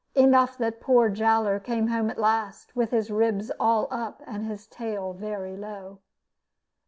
Enough that poor Jowler came home at last, with his ribs all up and his tail very low.